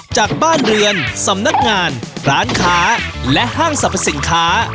จากบ้านเรือนสำนักงานร้านค้าและห้างสรรพสินค้า